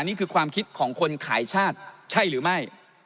นี่คือความคิดของคนขายชาติใช่หรือไม่